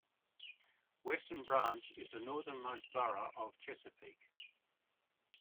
Western Branch is the northernmost borough of Chesapeake.